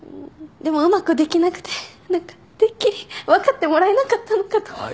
でもうまくできなくて何かてっきり分かってもらえなかったのかと。